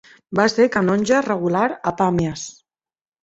Va ser canonge regular a Pàmies.